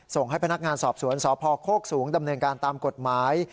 ส่งให้พนักงานสอบสวนสพโคกสูงดำเนินการตามกฎหมาย